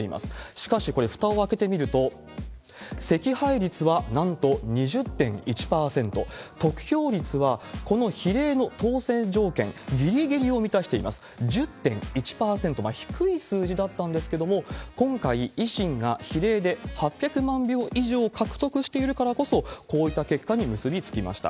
しかし、これ、ふたを開けてみると惜敗率はなんと２０．１％、得票率はこの比例の当選条件ぎりぎりを満たしています、１０．１％、低い数字だったんですけども、今回、維新が比例で８００万票以上を獲得しているからこそ、こういった結果に結びつきました。